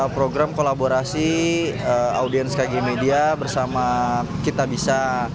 program kolaborasi audiens kg media bersama kitabisa